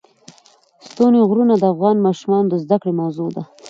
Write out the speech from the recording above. ستوني غرونه د افغان ماشومانو د زده کړې موضوع ده.